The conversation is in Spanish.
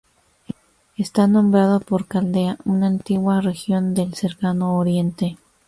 Está nombrado por Caldea, una antigua región del Cercano Oriente.